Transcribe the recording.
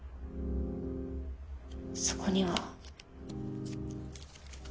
そこには。